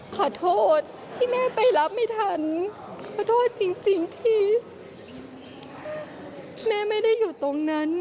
ขอโทษที่แม่ไปรับไม่ทันขอโทษจริงที่แม่ไม่ได้อยู่ตรงนั้น